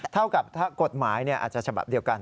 เท่ากับถ้ากฎหมายอาจจะฉบับเดียวกัน